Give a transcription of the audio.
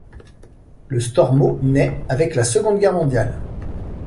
Le Stormo naît avec la Seconde Guerre mondiale.